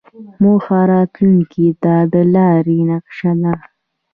موخه راتلونکې ته د لارې نقشه ده.